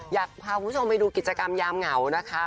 อยากพาคุณผู้ชมไปดูกิจกรรมยามเหงานะคะ